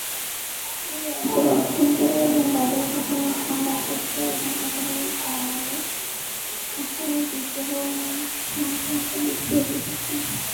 তিনি রাজ্যের অভ্যন্তরে এবং বাইরের বিভিন্ন সংবাদপত্র এবং একাডেমিক জার্নালে আসামের বিদ্রোহ ও উন্নয়ন সংক্রান্ত বিষয়ে লিখেছেন।